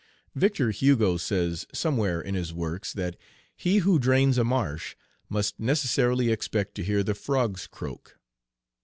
Victor Hugo says somewhere in his works that he who drains a marsh must necessarily expect to hear the frogs croak.